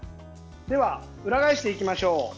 では、裏返していきましょう。